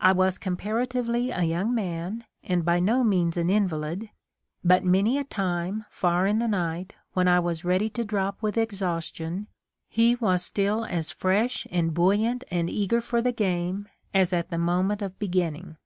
I was comparatively a young man, and by no means an invalid ; but many a time, far in the night, when I was ready to drop with exhaustion, he was still as fresh and buoyant and eager for the game as at the moment 6 The Ordeal of Mark Twain of beginning.